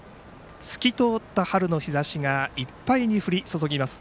透き通った春の日ざしがいっぱいに降り注ぎます